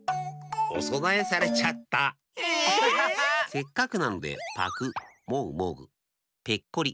せっかくなのでぱくもぐもぐペッコリ